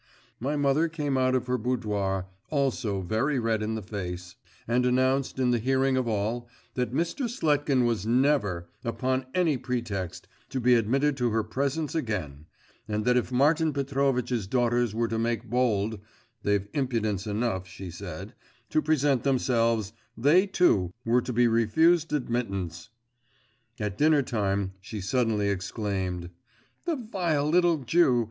My mother came out of her boudoir, also very red in the face, and announced, in the hearing of all, that Mr. Sletkin was never, upon any pretext, to be admitted to her presence again, and that if Martin Petrovitch's daughters were to make bold they've impudence enough, said she to present themselves, they, too, were to be refused admittance. At dinner time she suddenly exclaimed, 'The vile little Jew!